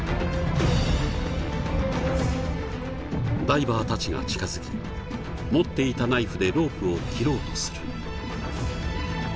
ダイバーたちが近づき持っていたナイフでロープを切ろうとする。